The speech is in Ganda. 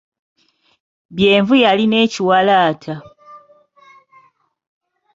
Byenvu yalina ekiwalaata.